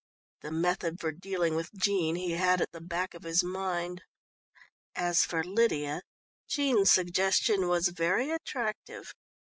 The method for dealing with Jean he had at the back of his mind. As for Lydia Jean's suggestion was very attractive.